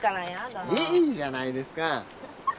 いいじゃないですか。